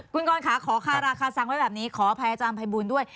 คุณกรค่ะขอคาราคาซังไว้แบบนี้ขออภัยอาจารย์ภัยบูลด้วย